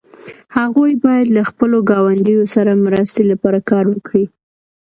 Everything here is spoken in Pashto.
هغوی باید له خپلو ګاونډیو سره مرستې لپاره کار وکړي.